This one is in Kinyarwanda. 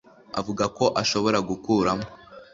avuga ko ashobora gukuramo